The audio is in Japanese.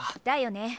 だよね。